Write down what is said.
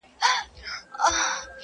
رویباری د بېګانه خلکو تراب کړم،